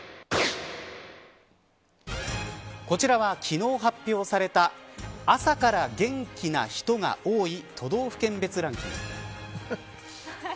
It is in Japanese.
こちらは昨日発表された朝から元気な人が多い都道府県別ランキング。